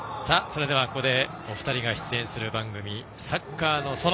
それではここでお二人が出演する番組「サッカーの園」